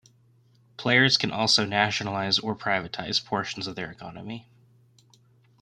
Players can also nationalize or privatize portions of their economy.